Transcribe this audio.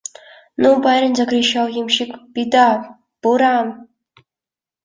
«Ну, барин, – закричал ямщик, – беда: буран!..»